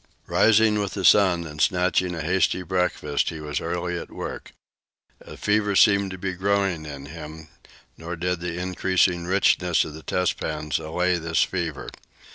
Rising with the sun, and snatching a hasty breakfast, he was early at work. A fever seemed to be growing in him, nor did the increasing richness of the test pans allay this fever.